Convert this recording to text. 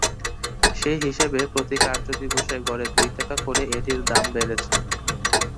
সেই হিসেবে প্রতি কার্যদিবসে গড়ে দুই টাকা করে এটির দাম বেড়েছে।